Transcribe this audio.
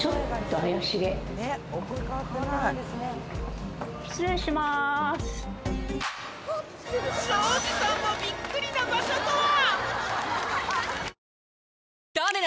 東海林さんもびっくりな場所とは？